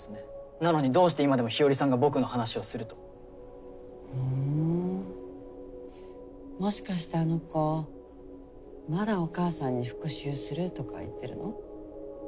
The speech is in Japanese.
なのにどうして今でも日和さんが僕の話をすると？ふんもしかしてあの子まだ「お母さんに復讐する」とか言ってるの？